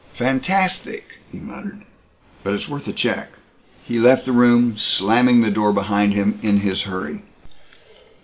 "Fantastic," he muttered, "but it's worth a check." He left the room, slamming the door behind him in his hurry.